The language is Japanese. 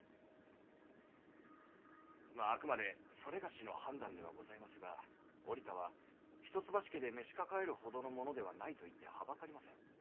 まああくまで某の判断ではございますが折田は一橋家で召し抱えるほどのものではないといって憚りません。